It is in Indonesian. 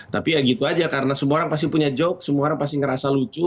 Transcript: tapi ya gitu aja karena semua orang pasti punya joke semua orang pasti ngerasa lucu